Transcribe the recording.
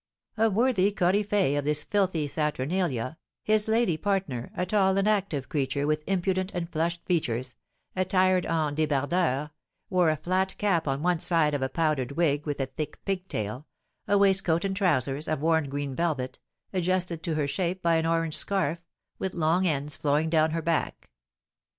A worthy coryphée of this filthy saturnalia, his lady partner, a tall and active creature with impudent and flushed features, attired en débardeur, wore a flat cap on one side of a powdered wig with a thick pigtail, a waistcoat and trousers of worn green velvet, adjusted to her shape by an orange scarf, with long ends flowing down her back.